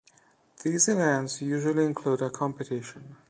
These events usually include a competition.